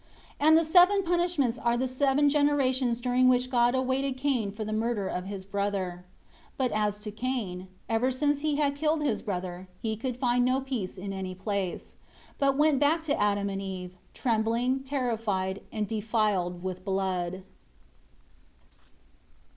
27 And the seven punishments are the seven generations during which God awaited Cain for the murder of his brother. 28 But as to Cain, ever since he had killed his brother, he could find no rest in any place; but went back to Adam and Eve, trembling, terrified, and defiled with blood.